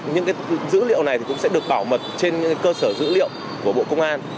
những dữ liệu này cũng sẽ được bảo mật trên cơ sở dữ liệu của bộ công an